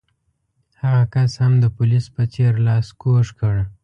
هغه کس هم د پولیس په څېر لاس کوږ کړ.